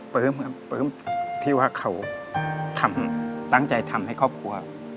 ครับปลื้มที่ว่าเขาทำตั้งใจทำให้ครอบครัว